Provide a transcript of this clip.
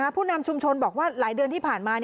ผู้นำชุมชนบอกว่าหลายเดือนที่ผ่านมา